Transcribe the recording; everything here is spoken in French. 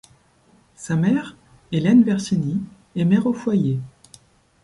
Sa mère, Hélène Versini, est mère au foyer.